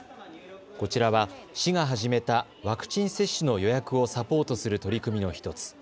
こちらは市が始めたワクチン接種の予約をサポートする取り組みを１つ。